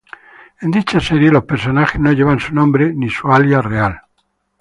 En dicha serie los personajes no llevan su nombre ni su alias real.